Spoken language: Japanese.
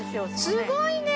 すごいね！